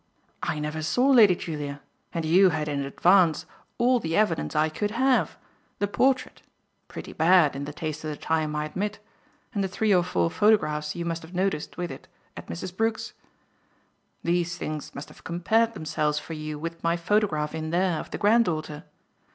I never saw Lady Julia, and you had in advance all the evidence I could have: the portrait pretty bad, in the taste of the time, I admit and the three or four photographs you must have noticed with it at Mrs. Brook's. These things must have compared themselves for you with my photograph in there of the granddaughter.